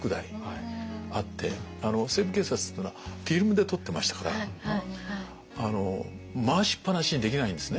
「西部警察」っていうのはフィルムで撮ってましたから回しっ放しにできないんですね。